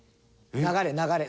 流れ流れ。